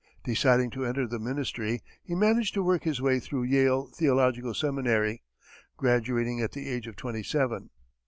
Deciding to enter the ministry, he managed to work his way through Yale theological seminary, graduating at the age of twenty seven.